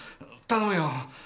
頼むよ。